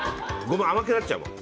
甘くなっちゃうもん。